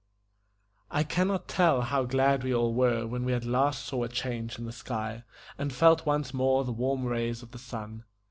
I CAN not tell how glad we all were when we at last saw a change in the sky, and felt once more the warm rays of the sun.